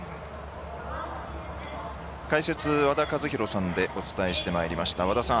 解説、和田一浩さんでお伝えしてまいりました。